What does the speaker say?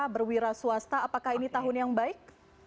berwira swasta apakah ini tahun yang baik